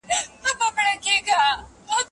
زه به د خپل کلي لپاره کتابتون جوړ کړم.